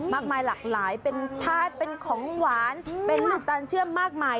มากมายหลากหลายเป็นธาตุเป็นของหวานเป็นลูกตาลเชื่อมมากมาย